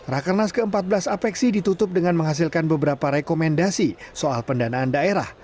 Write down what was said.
rakernas ke empat belas apeksi ditutup dengan menghasilkan beberapa rekomendasi soal pendanaan daerah